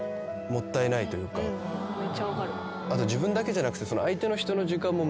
あと自分だけじゃなくて。